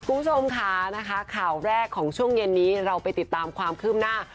คุณผู้ชมค่ะนะคะข่าวแรกของช่วงเย็นนี้เราไปติดตามความคืบหน้า